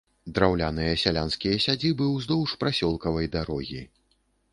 Драўляныя сялянскія сядзібы ўздоўж прасёлкавай дарогі.